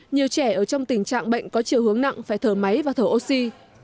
nhiều trẻ ở trong tình trạng bệnh có chiều hướng nặng phải thở máy và thở oxy